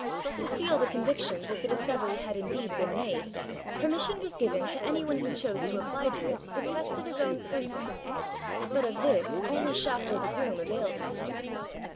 To seal the conviction that the discovery had indeed been made, permission was given to any one who chose to apply to it the test of his own person, but of this only Shafto the groom availed himself.